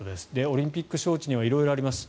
オリンピック招致には色々あります。